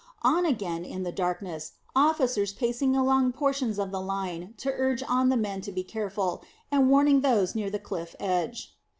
On again in the darkness, the officers pacing along portions of the line to urge on the men to be careful, and warning those near the cliff edge.